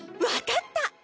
分かった！